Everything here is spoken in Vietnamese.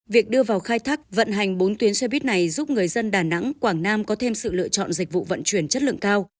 việc đưa vào khai thác vận hành bốn tuyến xe buýt này giúp người dân đà nẵng quảng nam có thêm sự lựa chọn dịch vụ vận chuyển chất lượng cao